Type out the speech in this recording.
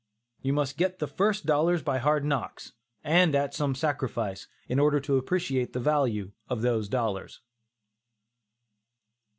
You must get the first dollars by hard knocks, and at some sacrifice, in order to appreciate the value of those dollars.